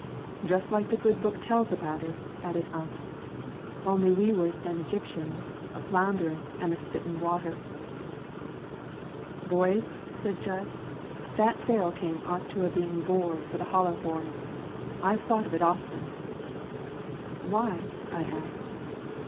"Just like the good book tells about it," added Ump; "only we was them Egyptians, a flounderin' an' a spittin' water." "Boys," said Jud, "that Pharaoh king ought to a been bored for the holler horn. I've thought of it often." "Why?" I asked.